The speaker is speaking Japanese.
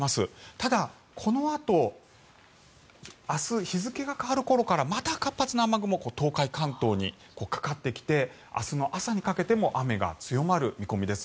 ただ、このあと明日、日付が変わる頃からまた活発な雨雲東海・関東にかかってきて明日の朝にかけても雨が強まる見込みです。